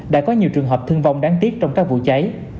đã có nhiều trường hợp thương vong đáng tiếc trong các vụ cháy